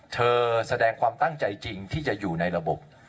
แสดงความตั้งใจจริงที่จะอยู่ในระบบ